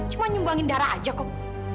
cuma nyumbangin darah aja kok